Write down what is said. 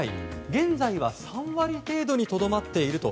現在は３割程度にとどまっていると。